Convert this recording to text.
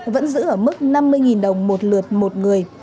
vẫn giữ ở mức năm mươi đồng một lượt một người